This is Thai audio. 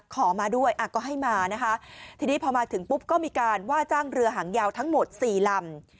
ขอมาด้วยก็ให้มานะคะทีนี้พอมาถึงปุ๊บก็มีการว่าจ้างเรือหางยาวทั้งหมดสี่ลำ